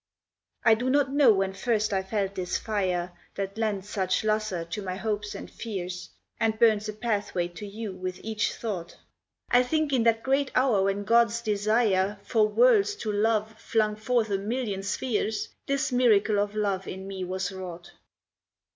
I do not know when first I felt this fire That lends such lustre to my hopes and fears, And burns a pathway to you with each thought. I think in that great hour when God's desire For worlds to love flung forth a million spheres, This miracle of love in me was wrought.